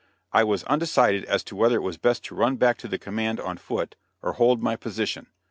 I was undecided as to whether it was best to run back to the command on foot or hold my position.